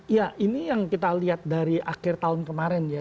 ya ini yang kita lihat dari akhir tahun kemarin ya